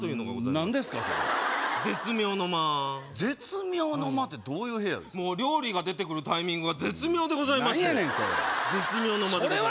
何ですかそれ絶妙の間絶妙の間ってどういう部屋ですかもう料理が出てくるタイミングが絶妙でございまして何やねんそれ絶妙の間でございます